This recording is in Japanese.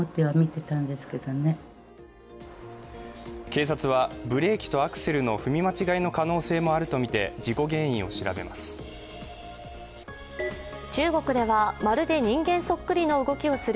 警察はブレーキとアクセルの踏み間違いの可能性もあるとみて事故原因を調べます。